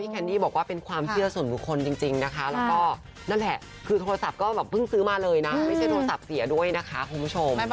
หน้าจอมันอย่างนี้เราก็เลยบอกว่าแม่